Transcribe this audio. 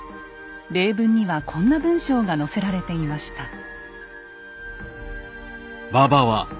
例文にはこんな文章が載せられていました。